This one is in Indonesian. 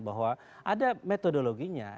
bahwa ada metodologinya